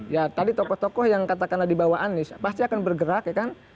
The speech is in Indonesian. ya tadi tokoh tokoh yang katakanlah di bawah anies pasti akan bergerak ya kan